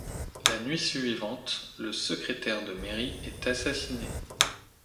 La nuit suivante, le Secrétaire de Mairie est assassiné.